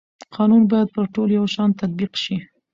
قانون باید پر ټولو یو شان تطبیق شي